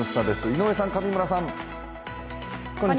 井上さん、上村さん。